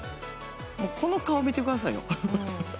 この顔、見てくださいよ。